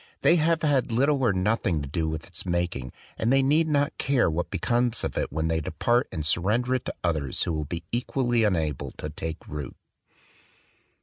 They have had little or nothing to do with its making; and they need not care what becomes of it, when they depart and surrender it to others who will be equally unable to take root.